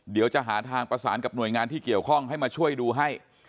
เดี๋ยวจะหาทางประสานกับหน่วยงานที่เกี่ยวข้องให้มาช่วยดูให้